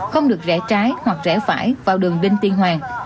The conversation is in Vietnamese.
không được rẽ trái hoặc rẽ phải vào đường binh tiên hoàng